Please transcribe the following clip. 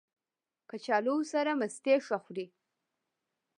کچالو سره مستې ښه خوري